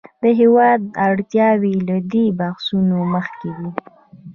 د هېواد اړتیاوې له دې بحثونو مخکې دي.